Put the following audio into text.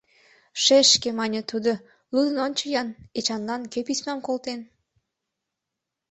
— Шешке, — мане тудо, — лудын ончо-ян, Эчанлан кӧ письмам колтен?